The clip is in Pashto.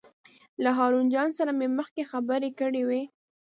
له هارون جان سره مې مخکې خبرې کړې وې.